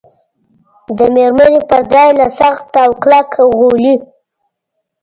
د مېرمنې پر ځای له سخت او کلک غولي.